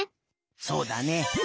そうだね。